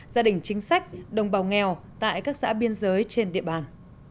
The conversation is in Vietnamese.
gia đình chính sách đồng bào nghèo tại các xã biên giới trên địa bàn